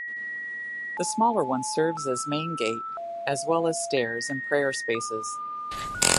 The smaller one serves as main gate as well as stairs and prayer spaces.